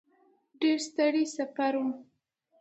ډېر ستړی سفر و.